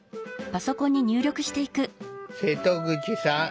瀬戸口さん